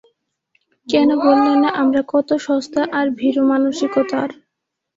কেন বললেনা আমরা কত সস্তা আর ভীরু মানসিকতার।